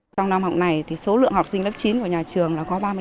trong năm học này số lượng học sinh lớp chín của nhà trường có ba mươi bốn em